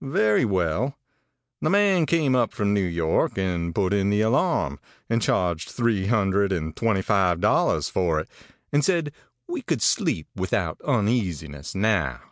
Very well: the man came up from New York and put in the alarm, and charged three hundred and twenty five dollars for it, and said we could sleep without uneasiness now.